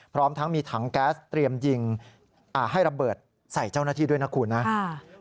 พร้อมทั้งมีถังแก๊สเตรียมยิงให้ระเบิดใส่เจ้าหน้าที่ด้วยนะคุณนะ